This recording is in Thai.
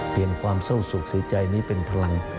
เปลี่ยนความเศร้าสุขเสียใจนี้เป็นพลัง